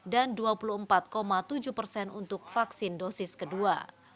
dan dua puluh empat tujuh persen untuk vaksin dosis kedua